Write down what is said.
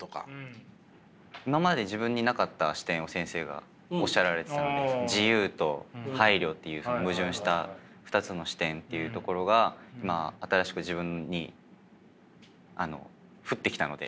今まで自分になかった視点を先生がおっしゃられてたんで自由と配慮という矛盾した２つの視点というところがまあ新しく自分に降ってきたので。